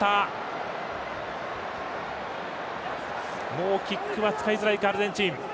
もうキックは使いづらいかアルゼンチン。